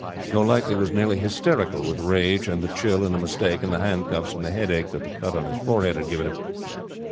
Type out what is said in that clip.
Golightly was nearly hysterical with rage and the chill and the mistake and the handcuffs and the headache that the cut on his forehead had given him.